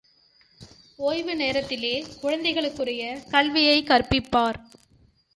ஓய்வு நேரத்திலே குழந்தைகளுக்குரிய கல்வியைக் கற்பிப்பார்.